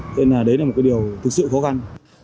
thế nên là đấy là một cái điều thực sự khó khăn